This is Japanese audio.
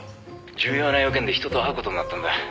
「重要な用件で人と会う事になったんだ」